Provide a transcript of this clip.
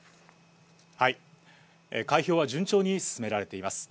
開票は順調に進められています。